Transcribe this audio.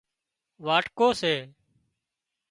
واٽڪو سي